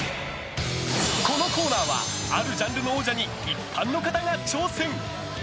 このコーナーはあるジャンルの王者に一般の方が挑戦。